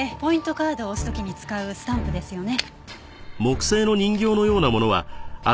カードを押す時に使うスタンプですよね？